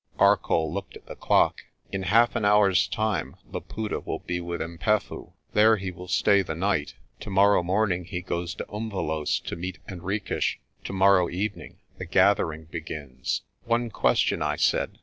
Arcoll looked at the clock. "In half an hour's time Laputa will be with 'Mpefu. There he will stay the night. Tomorrow morning he goes to Umvelos' to meet Henriques. Tomorrow evening the gathering begins." "One question," I said.